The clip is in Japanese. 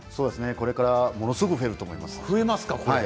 これからものすごく増えると思います。